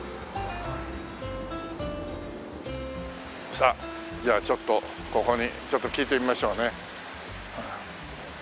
さあじゃあちょっとここにちょっと聞いてみましょうね。